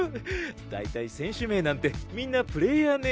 大体選手名なんてみんなプレーヤーネームだし！